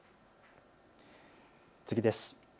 次です。